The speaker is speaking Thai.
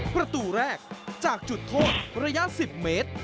ประตูแรกจากจุดโทษระยะ๑๐เมตร